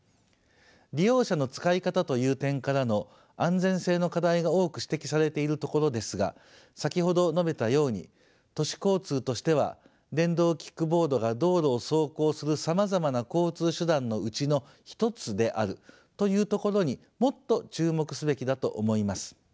利用者の使い方という点からの安全性の課題が多く指摘されているところですが先ほど述べたように都市交通としては電動キックボードが道路を走行するさまざまな交通手段のうちの一つであるというところにもっと注目すべきだと思います。